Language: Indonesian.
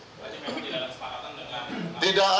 tidak ada kesepakatan dengan